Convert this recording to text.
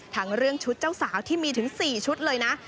ทั้งเรื่องชุดเจ้าสาวที่มีถึง๔ชุดเลยนะ